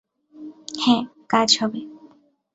হ্যাঁ, কাজ হবে।